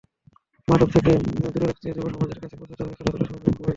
মাদক থেকে দূরে রাখতে যুবসমাজের কাছে পৌঁছাতে হবে খেলাধুলার সরঞ্জাম, বই।